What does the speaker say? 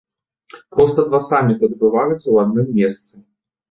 Проста два саміты адбываюцца ў адным месцы.